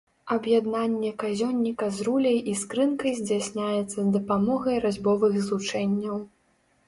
Аб'яднанне казённіка з руляй і скрынкай здзяйсняецца з дапамогай разьбовых злучэнняў.